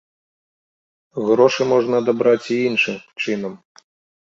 Грошы можна адабраць і іншы чынам.